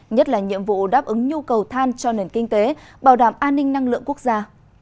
nhất là nhiệm vụ đáp ứng nhu cầu than cho nền kinh tế bảo đảm an ninh năng lượng quốc gia